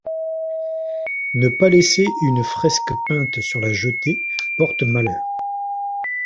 Ne pas laisser une fresque peinte sur la jetée porte malheur.